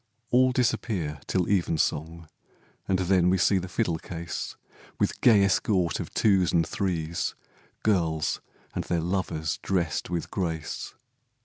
All disappear till evensong, And then we see the fiddle case, With gay escort of twos and threes, Girls and their lovers drest with grace.